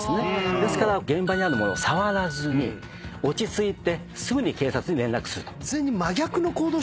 ですから現場にある物を触らずに落ち着いてすぐに警察に連絡すると。